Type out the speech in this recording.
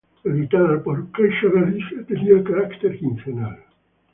Editada por Caixa Galicia, tenía carácter quincenal.